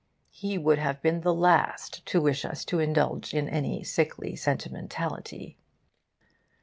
He would have been the last to wish us to indulge in any sickly sentimentality.